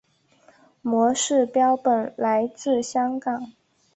模式标本来自香港。